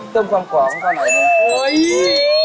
เพิ่มความของเข้าหน่อยเดียว